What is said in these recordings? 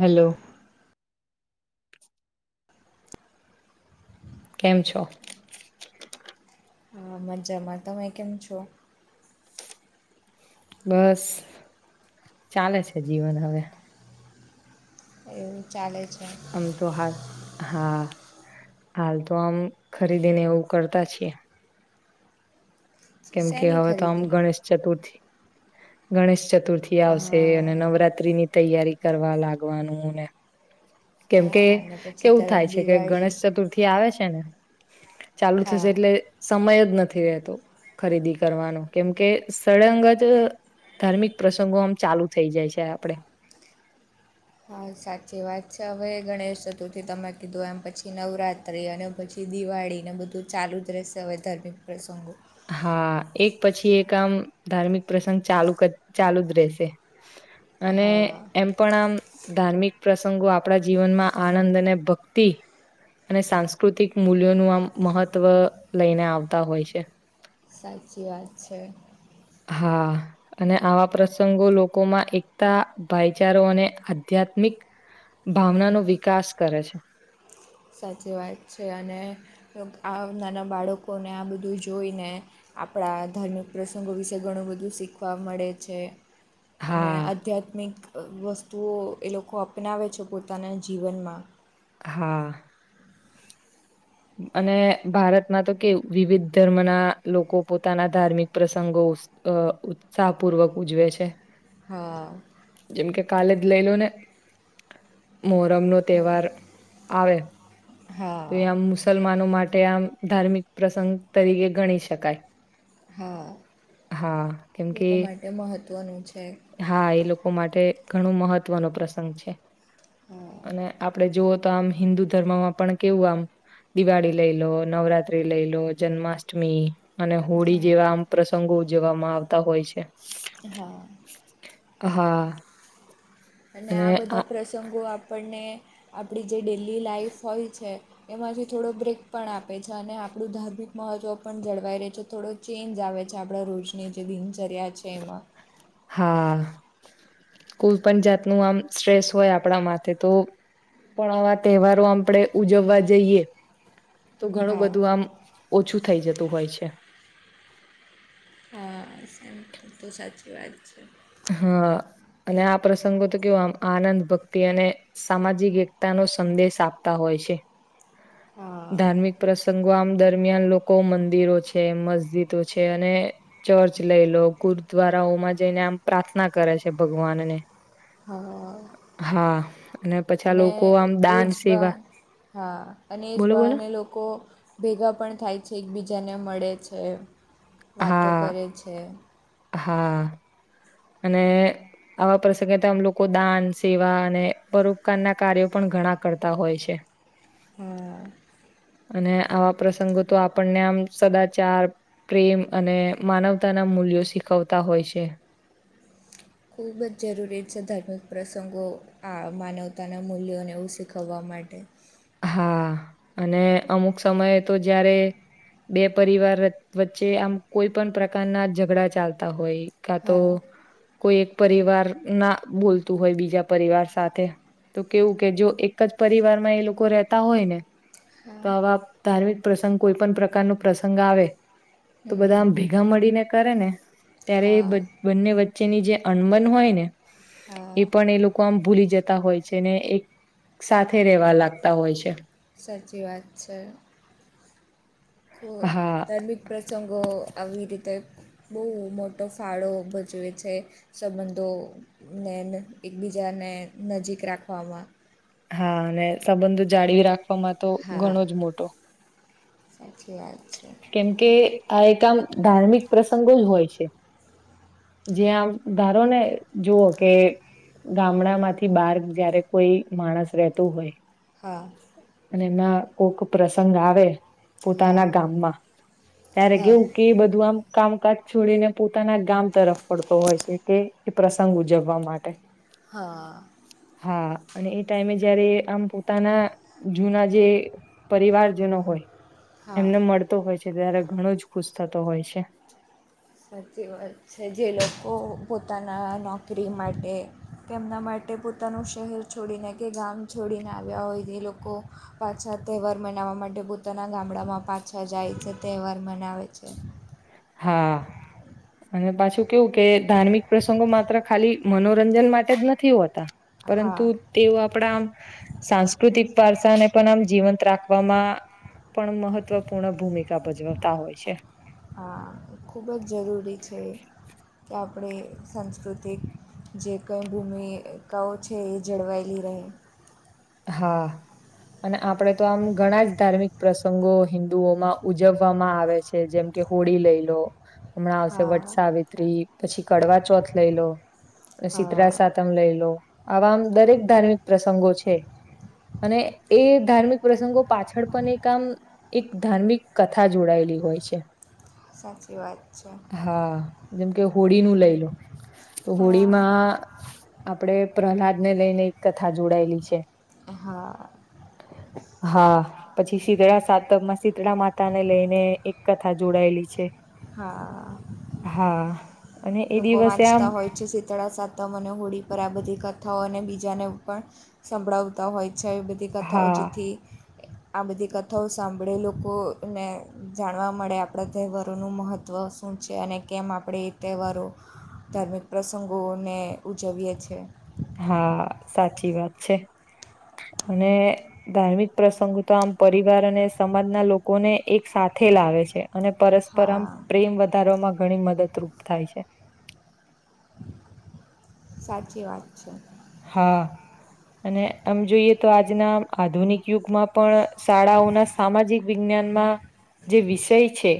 Hello કેમ છો હ મજામાં તમે કેમ છો બસ ચાલે છે જીવન હવે એવુ આમ તો હા હા હાલ તો આમ ખરીદીને એવું કરતા છીએ કેમ કે શેની હવે તો આમ ખરીદી ગણેશ ચતુર્થી ગણેશ ચત ચતુર્થી આવશે હા અને નવરાત્રી ની તૈયારી કરવા લાગવાનુંને કેમ કે હા અને પછી કેવું તરત થાય છે કે દિવાળી ગણેશ ચતુર્થી આવે છે ને ચાલુ થશે હા એટલે સમય જ નથ નથી રહેતો ખરીદી કરવાનો કેમ કે સળંગ જ ધાર્મિક પ્રસંગો આમ ચાલુ થઈ જાય છે આપણે હા સાચી વાત છે હવે ગણેશ ચતુર્થી તમે કીધું એમ પછી નવરાત્રી અને પછી દિવાળી ને બધું ચાલુ જ રહેશે હવે ધાર્મિક પ્રસંગો હા એક પછી એક આમ ધાર્મિક પ્રસંગ ચાલુ ચાલુ જ રહેશે અને હા એમ પણ આમ ધાર્મિક પ્રસંગો આપણા જીવનમાં આનંદ અને ભક્તિ અને સાંસ્કૃતિક મૂલ્યોનું આમ મહત્વ લઈને આવતા હોય છે સાચી વાત છે હા અને આવા પ્રસંગો લોકોમાં એકતા ભાઈચારો અને આધ્યાત્મિક ભાવનાનો વિકાસ કરે છે સાચી વાત છે અને આ નાના બાળકોને આ બધું જોઈને આપણા ધાર્મિક પ્રસંગો વિશે ઘણું બધું શીખવા મળે છે અને હા આધ્યાત્મિક વસ્તુઓ એ લોકો અપનાવે છે પોતાના જીવનમાં હા અને ભારતમાં તો કેવું વિવિધ ધર્મના લોકો પોતાના ધાર્મિક પ્રસંગો ઉત્સાહપૂર્વક ઉજવે છે હા જેમ કે કાલે જ લઈ લો ને મોહરમ નો તહેવાર આવે તો હા એમ મુસલમાનો માટે આ ધાર્મિક પ્રસંગ તરીકે ગણી શકાય હા હા કેમ કે લોકો માટે મહત્ત્વનું છે હા એ લોકો માટે ઘણું મહત્વનો પ્રસંગ છે હા અને આપડે જોુવઓ તો આમ હિન્દુ ધર્મમાં પણ કેવું આમ દિવાળી લઈ લો નવરાત્રી લઈ લો જન્માષ્ટમી અને હોળી હા જેવા આમ પ્રસંગો જોવામાં આવતા હોય છે હા હા અને આ બધા પ્રસંગો આપ આપણને આપણી જે ડેલી લાાઈફ હોય છે એમાંથી થોડો બ્રેક પણ આપે છે અને આપ આપણું ધાર્મિક મહત્વ પણ જળવાઈ રહેહી છે થોડો ચેન્જ આવે છે આપણા રોજને જે દિન જર્યા છે એમાં હા કોઈ પણ જાતનું આમ સ્ટ્રેસ હોય આપણા માટેથે તો પણ આવા તહેવારો આપણેે ઉજવવા જઈએ તો ઘણું હા બધું આમ ઓછું થઇ જતું હોય છે હ તો તો સાચી વાત છે હા અને આ પ્રસંગો તો કેવમ આનંદ ભક્તિ અને સામાજિક એકતા નો સંદેશ આપતા હોય છે હ હા. ધાર્મિક પ્રસંગો આમ દરમિયાન લોકો મંદિરો છે મસ્જિદો છે અને ચર્ચ ખર્ચ લઈ લો ગુરદ્વારાઓમાં જઈને આમ પ્રાર્થના કરે છે ભગવાનને હા હા. પછા અને લોકો આમ એ દાન જ બા સેવા હા અને એ જ બોલો બોલો બહાને લોકો ભેગા પણ થાય છે એકબીજાને ને મળે છે વાતો હા, કરે છે. હા અને આવા પ્રસંગે તો આમ લોકો દાન સેવા અને પરોપકારના કાર્યો પણ ઘણા કરતા હોય છે. હા. [inaudible] અને આવા પ્રસંગો તો આપણને આમ સદાચાર પ્રેમ અને માનવતાના મૂલ્યો શીખવતા હોય છે. ખૂબ જ જરૂરી છે ધાર્મિક પ્રસંગો આ માનવતાના મૂલ્યોને એવું શીખવવા માટ [inaudible] હા અને અમુક સમયે તો જયારે બે પરિવાર વચવચ્ચે આમ કોઈ પણ પ્રકારના ઝઘડા ચાલતા હોય. કા તો હા કોઈ એક પરિવાર ના બોલતું હોય બીજા પરિવાર સાથે- તો કેવું કે જો એક જ પરિવારમાં એ લોકો રહેતા હોય ને તો હા આવા ધાર્મિક પ્રસંગ કોઈ પણ પ્રકાર ન પ્રસંગ આવે તો બધા હમ આમ ભેગા મળીને કરે ને ત્યારે હા બંને વચ્ચેની જે અણમન હોય ને હા એ પણ એ લોકો આમ ભૂલી જતા હોય છે ને એક સાથે રેવા લાગતા. તા હોય છે. સાચી વાત છે. કો હા ધાર્મિક પ્રસંગો આવી રીતે બહુ મોટો ફાળો ભજવે છે સંબંધોનેન એકબીજા ને નજીક રાખવામાં હા અને સંબંધો જાળવી રાખવામાં તો હા ઘણો જ મોટો સાચી વાત છે. કેમકે આ એક આમ ધાર્મિક પ્રસંગો જ હોય છે. જ્યા આમ ધારો ને જુઓ કે ગામડામાંથી બાર જયારે કોઈ માણસ રહેતું હોય. હા અને એમના કોક પ્રસંગ આવે પોતાના હા ગામમાં ત્યારે હા કેવું કે બધું આમ કામકાજ છોડીને પોતાના ગામ તરફ ફડતો હોય છે કે પ્રસંગ ઉજવવા માટે. હા. હા અને એ ટાઈમે જયારે આમ પોતાના જૂના જે પરિવારજનો હોય. હા એમને મળતો હોય છે ત્યારે ઘણો જ ખુશ થતો હોય છે. સાચી વાત છે જે લોકો પોતાના નોકરી માટે તેમના માટે તે પોતાનું શહેર છોડીને કે ગામ છોડીને આવ્યા હોય છે લોકો પાછા તહેવાર મના વા માટે પોતાના ગામડામાં પાછા જાય છે તહેવાર મનાવે છે. હા. અને પાછું કેવું કે ધાર્મિક પ્રસંગો માત્ર ખાલી મનોરંજન માટે જ નથી હોતા. હા પરંતુ તેઓ આપણા આમ સાંસ્કૃતિક વારસાને પણ આમ જીવંત રાખવામાં પણ મહત્વપૂર્ણ ભૂમિકા ભજવતા હોય છે. હા ખૂબ જ જરૂરી છે કે આપણે સાંસ્કૃતિક જે કંઈ ભૂમિકાઓ છે એ જળવાયેલી રહે. હા અને આપડે તો આમ ઘણા જ ધાર્મિક પ્રસંગો હિન્ંદુઓમાં ઉજવવામાં આવે છે જેમ કે હોળી લઈ લો હમણાં આવશે હા વટ સાવિત્રી પછી કડવા ચોથ લઈ લો શીિતરાા હા સાતમ લઈ લો આવામ દરેક ધાર્મિક પ્રસંગો છે અને એ ધાર્મિક પ્રસંગો પાછળ પણ એક આમ એક ધાર્મિક કથા જોડાયેલી હોય છે સાચી વાત છે કે હોળીનુંું લઈ લો તો હા હોળીમાં આપડે પ્રહલાદ ને લઈને એક કથા જોડાયેલી છે હા હ હા પછી શીતળા સાતકમાં શીતળા માતા ને લઈને એક કથા જોડાયેલી છે હા હા અને એ લોકો દિવસે આમ વાંચતા હોય છે શીતળા સાતમ અને હોળ પર આ બધી કથાઓ અને બીજી જેને પણ સંભળાવતા હોય છે એ બધી કથાઓ હા જેથી આ બધી કથાઓ સાંભળી લોકોને જાણવા મળે આપણા તહેવારોનું મહત્ત્વ શું છે અને કેમ આપડે તહેવા ધાર્મિક પ્રસંગોને ઉજવીએ છે હા સાચી વાત છે અને ધાર્મિક પ્રસંગો તો આમ પરિવાર અને સમાજના લોકોને એક સાથે સાથેથે લાવે છે અને પરસ્પર આમ હા પ્રેમ વધારવામાં ઘણી મદદરૂપ થાય છે છે સાચી વાત છે હા અને આમ જોઈએ તો આજના આધુનિક યુગમાં પણ શાળાઓના સામાજિક વિજ્ઞ જે વિષય છે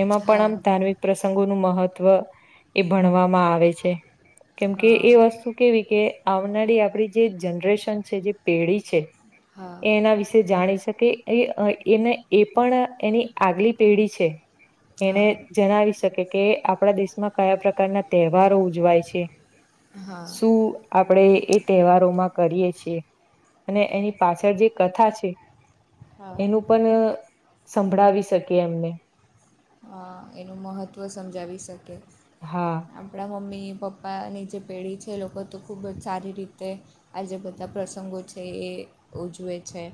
એમાં પણ આમ હા ધાર્મિક પ્રસંગોનું મહત્વ એ ભણવામાં આવે છે કેમ કે હા એ વસ્તુ કેવી કે આવનારી આપડી જે જનરેશન છે જે પેઢી છે હા એ એના વિશે જાણી શકે એ એને એ પણ એની આગલી પેઢી છે એને હા જણાવી શકે કે આપણા દેશમાં કયા પ્રકારના તહેવારો ઉજવાય છે હા સુું આપણેે એ તહેવારોમાં કરીએ છીએ અને એની પાછળ જે કથા છે હા એનું પણ સંભળાવી શકી એમને હા એનું મહત્ત્વ સમજાવી શકે હા આપણા મમ્મી પપ્પાની જે પેઢી છે એ લોકો તો ખૂબ જ સારી રીતે આ જે બધા પ્રસંગો છે એ એ ઉજવે છે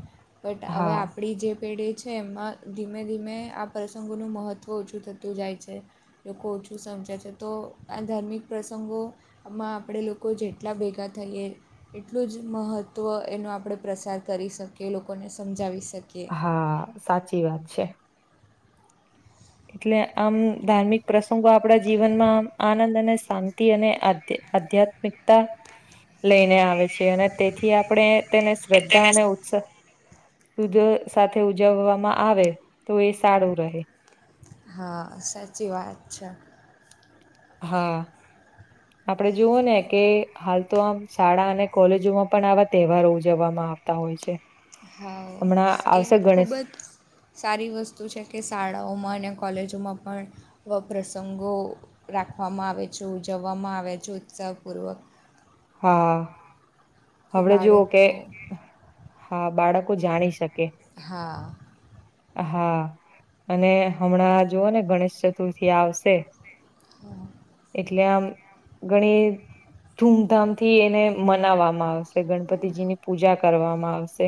બટ હવે હા આપણી જે પેઢી છે એમાં ધીમે ધીમે આ પ્રસંગોનું મહત્ત્વ જ ઓછું થતું જાય છે લોકો ઓછું સમજાય છે તો આ ધાર્મિક પ્રસંગોમાં આપણે આપણે લોકો જેટલા ભેગા થઈએ એટલું જ મહત્ત્વ એનો આપણે પ્રસાર કરી શકીએ લોકોને સમજાવીશ હા સાચી વાત છે એટલે આમ ધાર્મિક પ્રસંગો આપણા જીવનમાં આમ આનંદ અને શાંતિ અને આધ્યા આધ્યાત્મિકતા લઈને આવે છે અને તેથી આપણે તેને શ્રદ્ધા તેને અને ઉત્સાહ દૂધ સાથે ઉજવવામાં આવે તો એ સારું રહે હા સાચી વાત છે હા આપડે જોવું ને કે હાલ તો આમ શાળા અને કોલેજોમાં પણ આવા તહેવારો ઉજવવામાં આવતા હોય છે હા હમણાં એ આવશે ખૂબ ગણેશ જ સારી વસ્તુ છે કે શાળાઓમાં અને કોલેજોમાં પણ પ્રસંગો રાખવામાં આવે છે ઉજવવામાં આવે છે ઉત્સાહપૂર્વક હા કે આપડ જોુઓ કે બાળકો હા બાળકો જાણી શકે હા હા અને હમણાં જોુવ ને ગણેશ ચતુર્થી આવશે હા એટલે આમ ગણી ધૂમધામથી એને મનાવવામાં આવે ગણપતિજી ની પૂજા કરવામાં આવશે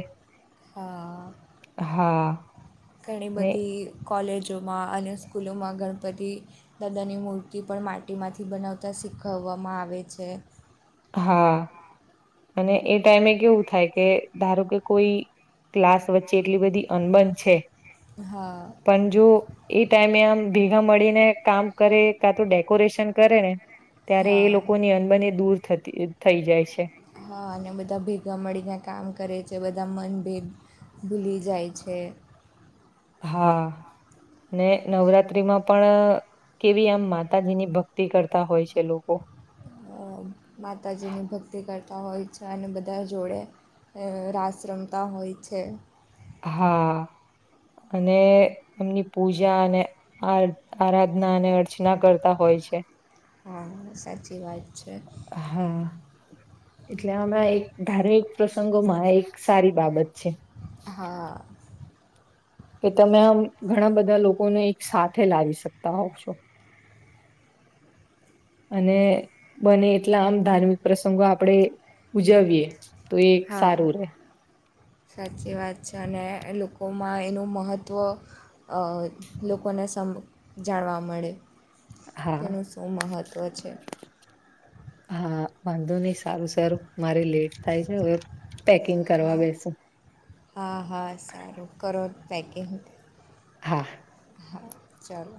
હા હા ઘણી ને બધી કોલેજોમાં અને સ્કૂલોમાં ગણપતિ દાદાની મૂર્તિ પણ માટીમાંથી બનાવતા શીખ શીખવવામાં આવે છે હા અને એ ટાઈમે કેવું થાય કે ધારો કે કોઈ ક્લાસ વચ્ચે એટલી બધી અનબન છે હા પણ જો એ ટાઈમે આમ ભેગા મળીને કામ કરે કા તો ડેકોરેશન કરે ને ત્યારે એ હા લોકોની અનબને એ દૂર થતી થઈ જાય છે હા અને બધા ભેગા મળીને કામ કરે છે બધા મન ભેગ ભૂલી જાય છે હા અને નવરાત્ર્રીમાં પણ કેવી આમ માતાજીની ભક્તિ કરતા હોય છે લોકો અ, માતાજીની ભક્તિ કરતા હોય છે અને બધા જોડે રાસ ર્રમતા હોય છે હા અને એમની પૂજા અને આ આરાધના અને અર્ચના કરતા હોય છે હા સાચી વાત છે હા એટલે આણા એક ધારિક પ્રસંગોમાં એક સારી બાબત છે [inaudible] કે તમે આમ ઘણા બધા લોકોને એક સાથે લાવી શકતા હોવ છો [inaudible] અને બને એટલા આમ ધાર્મિક પ્રસંગો આપણેે ઉજવીએ તો એ એક હા સારું રે સાચી વાત છે અને લોકોમાં એનું મહત્ત્વ લોકોને ને સમ જાણવા મળે હા તેનું શું મહત્ત્વ છે હા વાંધો નઈિ સારું સરું મારે લેટ થાય છે હવે પેકિંગ કરવા બેસુ હા હા સારું કરો પેકિંગ હા હા ચાલો